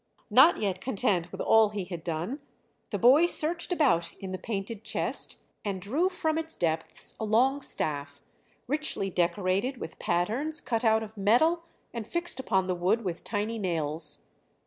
Not yet content with all he had done, the boy searched about in the painted chest, and drew from its depths a long staff, richly decorated with patterns cut out of metal and fixed upon the wood with tiny nails.